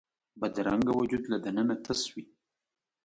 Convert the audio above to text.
بدرنګه وجود له دننه تش وي